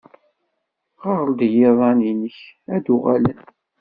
Ɣer-d i yiḍan-nnek ad d-uɣalen.